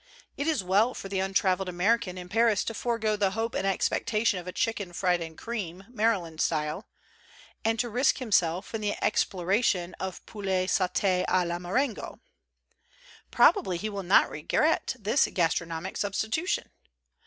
It is well for the untraveled American in Paris to forego the hope and expectation of chicken fried in cream, Maryland style; and to risk himself in the exploration of poulet sautt d la Marengo; probably he will not regret this gas tronomic substitution.